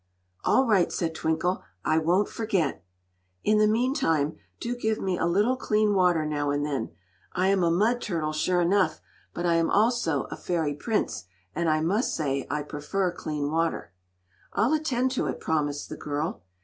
"All right," said Twinkle; "I won't forget." "In the mean time, do give me a little clean water now and then. I'm a mud turtle, sure enough; but I'm also a fairy prince, and I must say I prefer clean water." "I'll attend to it," promised the girl.